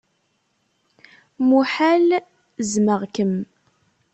Muḥal zzmeɣ-kem.